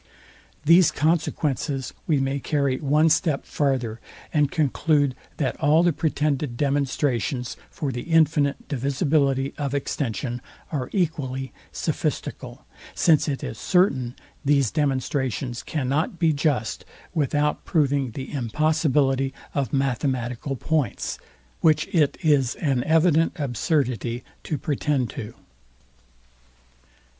These consequences we may carry one step farther, and conclude that all the pretended demonstrations for the infinite divisibility of extension are equally sophistical; since it is certain these demonstrations cannot be just without proving the impossibility of mathematical points; which it is an evident absurdity to pretend to.